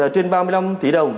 trên ba mươi năm tỷ đồng